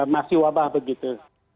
masih wabah begitu